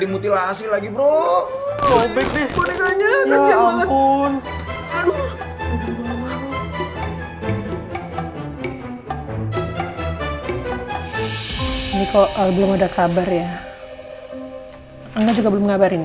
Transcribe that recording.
mutilasi lagi bro objeknya kasih walaupun aduh ini kok belum ada kabarnya anda juga belum ngabarin